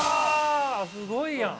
すごいやん！